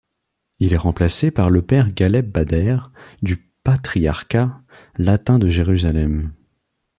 Il est remplacé par le père Ghaleb Bader du Patriarcat latin de Jérusalem.